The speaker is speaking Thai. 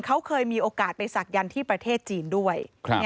เขาเคยมีโอกาสไปศักยันต์ที่ประเทศจีนด้วย